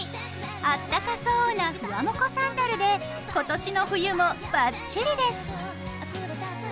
あったかそうなふわもこサンダルで今年の冬もバッチリです！